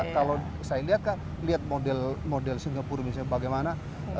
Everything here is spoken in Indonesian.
kalau saya lihat kak lihat model model singapura misalnya bagaimana